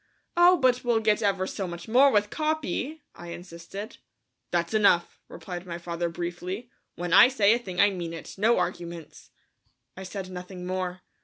"Oh, but we'll get ever so much more with Capi," I insisted. "That's enough," replied my father briefly; "when I say a thing I mean it. No arguments." I said nothing more.